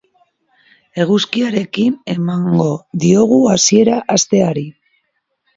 Eguzkiarekin emango diogu hasiera asteari.